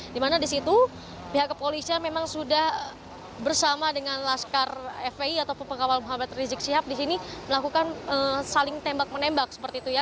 di mana di situ pihak kepolisian memang sudah bersama dengan laskar fpi ataupun pengawal muhammad rizik sihab disini melakukan saling tembak menembak seperti itu ya